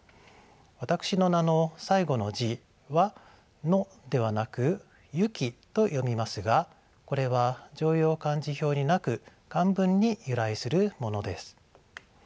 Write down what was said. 私の名の最後の字は「の」ではなく「ゆき」と読みますがこれは常用漢字表になく漢文に由来するものです。